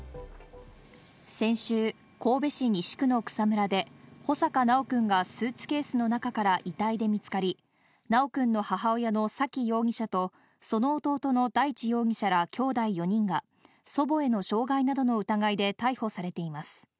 先週、神戸市西区の草むらで穂坂修くんがスーツケースの中から遺体で見つかり、修くんの母親の沙喜容疑者とその弟の大地容疑者らきょうだい４人が、祖母への傷害などの疑いで逮捕されています。